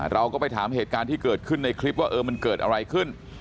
เราก็ไปถามเหตุการณ์ที่เกิดขึ้นในคลิปว่าเออมันเกิดอะไรขึ้น